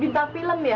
bintang film ya